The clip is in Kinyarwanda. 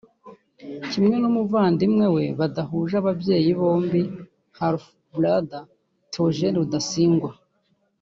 kimwe n’umuvandimwe we badahuje ababyeyi bombi (half brother) Theogene Rudasingwa